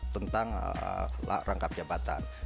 tentang rangkap jabatan